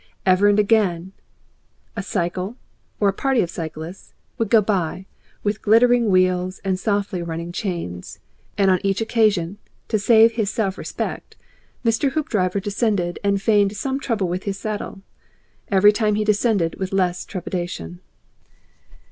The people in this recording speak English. Ever and again a cycle, or a party of cyclists, would go by, with glittering wheels and softly running chains, and on each occasion, to save his self respect, Mr. Hoopdriver descended and feigned some trouble with his saddle. Each time he descended with less trepidation.